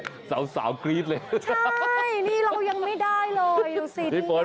ใช่แล้วยังไม่ได้เลยอยู่ซีดิ้ง